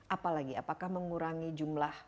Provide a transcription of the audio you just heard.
apalagi apakah mengurangi jumlah